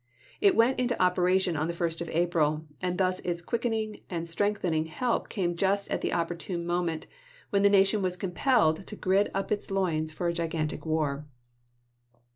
It went into operation on the 1st of April, and thus its quickening and strengthening help came just at the opportune moment, when the nation was compelled to gird up its loins for a gigantic war.